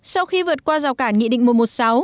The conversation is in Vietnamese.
sau khi vượt qua rào cản nghị định mùa một sáu